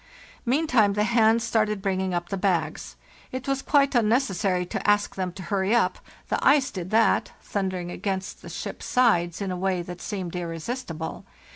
Meantime the hands started bringing up the bags. It was quite unnecessary to ask them to hurry up—the ice did that, thundering against the ship's sides in a way that seemed irresistible.